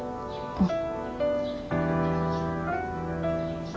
うん。